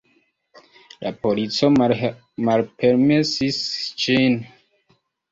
La polico malpermesis ĝin.